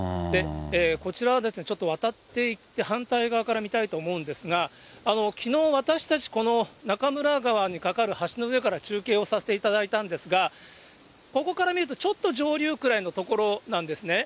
こちらは渡っていって、反対側から見たいと思うんですが、きのう、私たち、この中村川に架かる橋の上から中継をさせていただいたんですが、ここから見るとちょっと上流くらいの所なんですね。